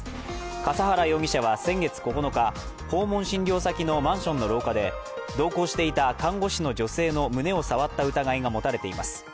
笠原容疑者は先月９日、訪問診療先のマンションの廊下で同行していた看護師の女性の胸を触った疑いが持たれています。